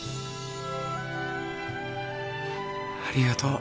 ありがとう。